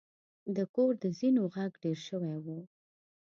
د کور د زینو غږ ډیر شوی و.